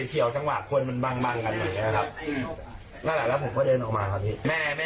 ผมยาวนี่ครับต่อยครับต่อยหมอไม้วิชัยคนเดียวโดนครับ